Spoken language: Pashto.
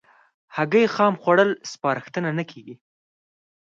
هګۍ خام خوړل سپارښتنه نه کېږي.